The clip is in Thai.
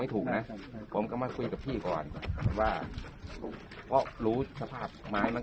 ให้ก็ได้ขออนุญาตนะครับเอ้าไปเสียบเครื่องอิจฐานในบ้าน